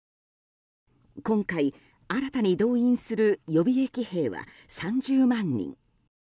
今回、新たに動員する予備役兵は３０万人。